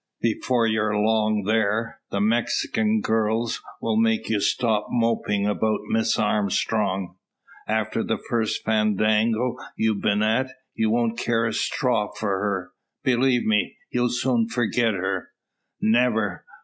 Before you're long there, the Mexikin girls will make you stop moping about Miss Armstrong. After the first fandango you've been at, you won't care a straw for her. Believe me, you'll soon forget her." "Never!"